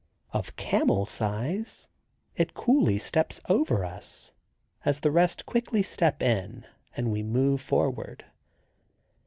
Of camel size, it coolly steps over us, as the rest quickly step in and we move forward.